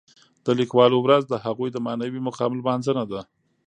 د لیکوالو ورځ د هغوی د معنوي مقام لمانځنه ده.